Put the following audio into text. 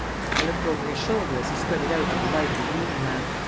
I looked over his shoulder as he spread it out in the light of his reading lamp.